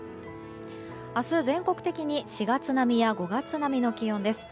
明日は全国的に４月並みや５月並みの気温です。